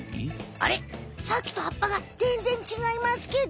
あれさっきとはっぱがぜんぜんちがいますけど！